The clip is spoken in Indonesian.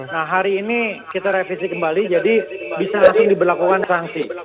nah hari ini kita revisi kembali jadi bisa langsung diberlakukan sanksi